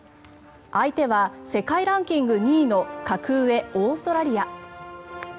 相手は世界ランキング２位の格上オーストラリア。